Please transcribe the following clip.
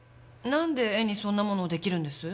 なんで絵にそんなもの出来るんです？